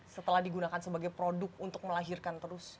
setelah digunakan sebagai produk untuk melahirkan terus